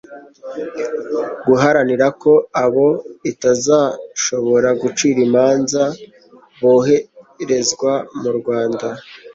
guharanira ko abo itazashobora gucira imanza boherezwa mu rwanda